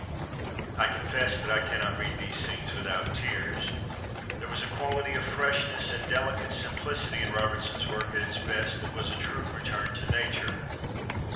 I confess that I cannot read these scenes without tears. There was a quality of freshness and delicate simplicity in Robertsons work at its best that was a true " return to nature."